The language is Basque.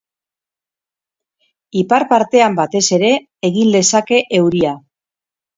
Ipar-partean, batez ere, egin lezake euria.